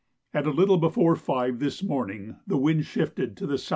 At a little before 5 this morning the wind shifted to S.S.